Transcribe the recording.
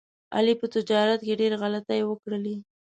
علي په تجارت کې ډېر غلطۍ وکړلې.